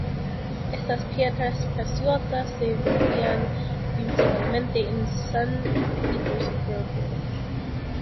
Estas piedras preciosas se vendían principalmente en San Petersburgo.